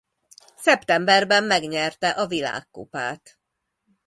Szeptemberben megnyerte a világkupát.